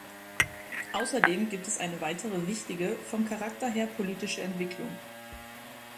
Außerdem gibt es eine weitere wichtige, vom Charakter her politische Entwicklung.